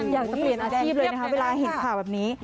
อยากจะเปลี่ยนอาชีพเลยนะคะเวลาเห็นข่าวแบบนี้